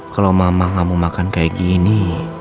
kalau mama gak mau makan kayak gini